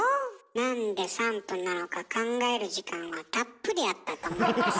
なんで３分なのか考える時間はたっぷりあったと思いますよ？